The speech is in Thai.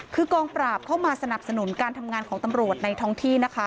คือกองปราบเข้ามาสนับสนุนการทำงานของตำรวจในท้องที่นะคะ